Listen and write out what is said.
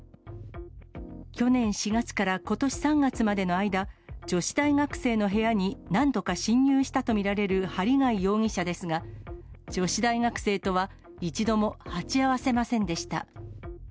去年４月からことし３月までの間、女子大学生の部屋に何度か侵入したと見られる針谷容疑者ですが、女子大学生とは一度も鉢合わせませんでした。